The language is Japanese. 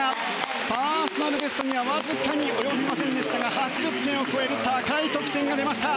パーソナルベストにはわずかに及びませんでしたが８０点を超える高い得点が出ました。